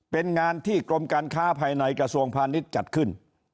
เป็นงานที่กรมการค้าภายในกระทรวงพาณิชย์จัดขึ้น